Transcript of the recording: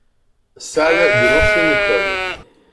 Salles de l’ancienne école.